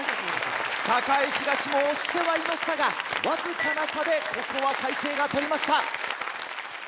栄東も押してはいましたがわずかな差でここは開成が取りました。